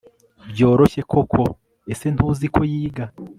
byoroshye koko ese ntuzi ko yiga